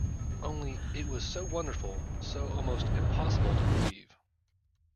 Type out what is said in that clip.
Only, it is so wonderful, so almost impossible to believe.